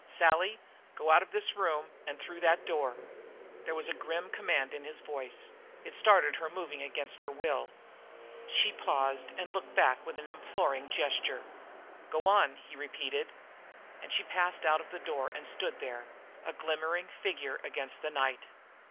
Sally, go out of this room and through that door." There was a grim command in his voice. It started her moving against her will. She paused and looked back with an imploring gesture. "Go on," he repeated. And she passed out of the door and stood there, a glimmering figure against the night.